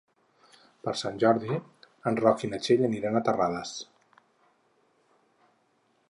Per Sant Jordi en Roc i na Txell aniran a Terrades.